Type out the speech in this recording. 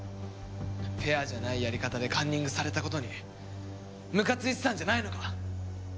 フェアじゃないやり方でカンニングされた事にむかついてたんじゃないのか？